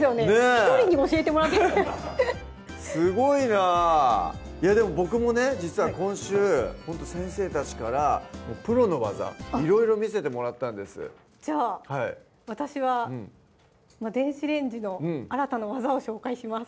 １人に教えてもらってるすごいないやでも僕もね実は今週ほんと先生たちからプロの技いろいろ見せてもらったんですじゃあ私は電子レンジの新たな技を紹介します